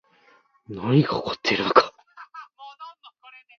何が起こっているのか